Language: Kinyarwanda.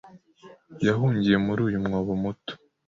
Yahungiye muri uyu mwobo muto